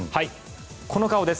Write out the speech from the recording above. この顔です。